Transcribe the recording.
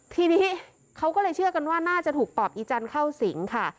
ทีนี้เขาก็เลยเชื่อกันว่าน่าจะถูกปอบอีจันทร์เข้าสิงค่ะ